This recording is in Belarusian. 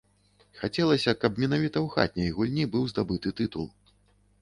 Хацелася, каб менавіта ў хатняй гульні быў здабыты тытул.